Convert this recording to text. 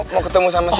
mau ketemu sama si